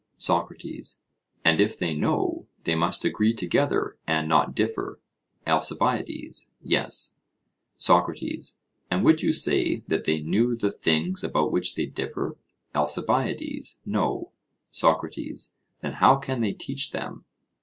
SOCRATES: And if they know, they must agree together and not differ? ALCIBIADES: Yes. SOCRATES: And would you say that they knew the things about which they differ? ALCIBIADES: No. SOCRATES: Then how can they teach them?